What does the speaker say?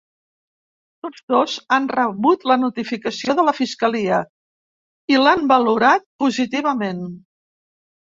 Tots dos han rebut la notificació de la fiscalia i l’han valorat positivament.